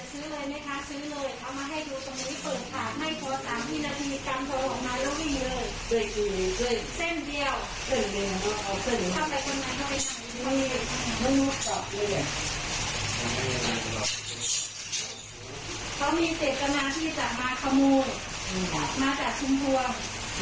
เขามีเศรษฐกรณาที่จากมาคมูลมาจากชุมฮวง